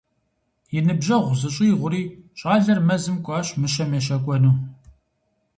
И ныбжьэгъу зыщӏигъури, щӏалэр мэзым кӏуащ мыщэм ещэкӏуэну.